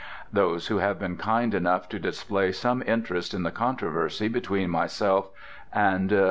Those who have been kind enough to display some interest in the controversy between myself and M.